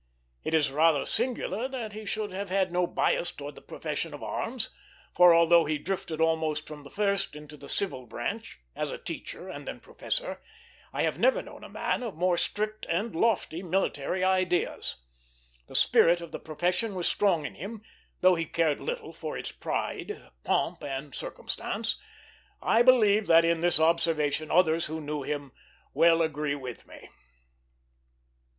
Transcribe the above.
It is rather singular that he should have had no bias towards the profession of arms; for although he drifted almost from the first into the civil branch, as a teacher and then professor, I have never known a man of more strict and lofty military ideas. The spirit of the profession was strong in him, though he cared little for its pride, pomp, and circumstance. I believe that in this observation others who knew him well agreed with me.